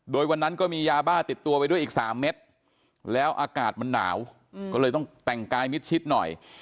โดยวันนั้นก็มียาบ้าติดตัวไปด้วยอีก๓เม็ดแล้วอากาศมันหนาวก็เลยต้องแต่งกายมิดชิดหน่อย